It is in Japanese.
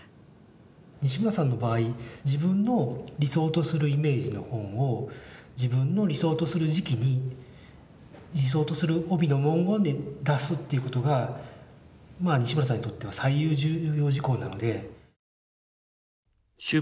西村さんの場合自分の理想とするイメージの本を自分の理想とする時期に理想とする帯の文言で出すっていうことがまあ西村さんにとっては最重要事項なので。